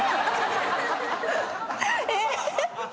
えっ。